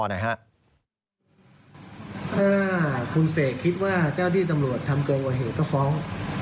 ถ้าคุณเสกคิดว่าเจ้าที่ตำรวจทำเกินกว่าเหตุก็ฟ้อง